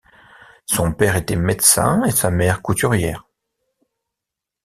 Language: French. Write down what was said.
Son père était médecin et sa mère couturière.